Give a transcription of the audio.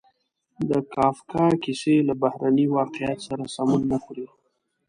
د کافکا کیسې له بهرني واقعیت سره سمون نه خوري.